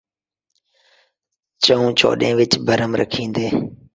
دھی ناں دھہیݨ ، کھا ڳئی کالی ݙیݨ